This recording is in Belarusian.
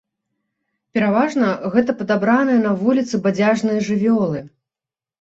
Пераважна гэта падабраныя на вуліцы бадзяжныя жывёлы.